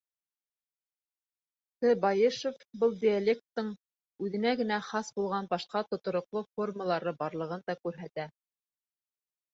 Т.Байышев был диалекттың үҙенә генә хас булған башҡа тотороҡло формалары барлығын да күрһәтә.